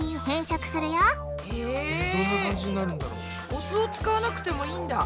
お酢を使わなくてもいいんだ。